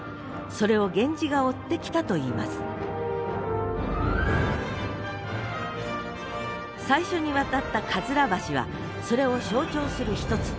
それを源氏が追ってきたといいます最初に渡ったかずら橋はそれを象徴する一つ。